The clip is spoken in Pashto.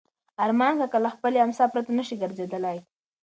ارمان کاکا له خپلې امسا پرته نه شي ګرځېدلی.